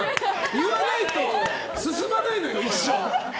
言わないと進まないのよ、一生。